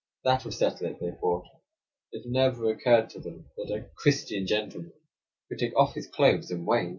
That would settle it, they thought; it never occurred to them that a "Christian gentleman" could take off his clothes and wade.